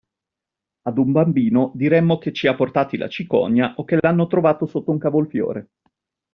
Ad un bambino diremmo che ci ha portati la cicogna o che l'hanno trovato sotto un cavolfiore.